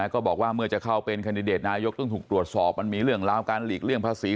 ก็บอกว่าเมื่อจะเข้าเป็นคันดิเดตนายกต้องถูกตรวจสอบมันมีเรื่องราวการหลีกเลี่ยงภาษี